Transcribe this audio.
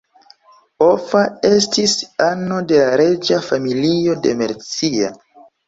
Offa estis ano de la reĝa familio de Mercia.